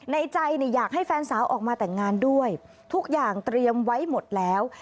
ในใจอยากให้แฟนสาวออกมาแต่งงานด้วยทุกอย่างเตรียมไว้หมดแล้ว